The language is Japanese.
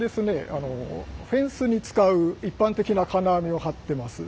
あのフェンスに使う一般的な金網を張ってます。